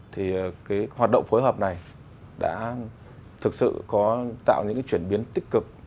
thì hoạt động phối hợp này đã thực sự có tạo những chuyển biến tích cực